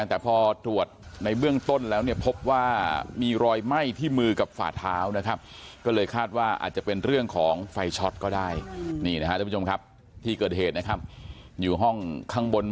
แต่พอตรวจในเบื้องต้นแล้วเนี่ยพบว่ามีรอยไหม้ที่มือกับฝาดเท้านะครับ